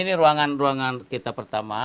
ini ruangan ruangan kita pertama